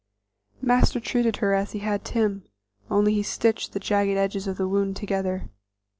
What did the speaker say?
Master treated her as he had Tim, only he stitched the jagged edges of the wound together.